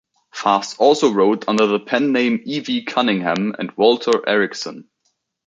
Fast also wrote under the pen names E. V. Cunningham and Walter Ericson.